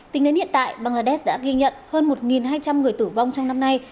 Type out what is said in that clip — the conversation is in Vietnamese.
tính đến hiện tại bangladesh đã ghi nhận hơn một hai trăm linh người tử vong trong năm nay